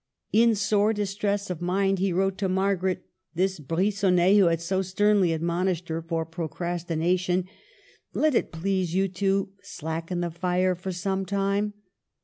In sore distress of mind he wrote to Margaret, —■ this Brigonnet who had so sternly admonished her for procrastination, —*' Let it please yott to slacken the fire for some time.